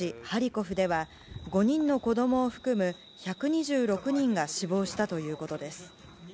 ハリコフでは５人の子供を含む１２６人が死亡したということです。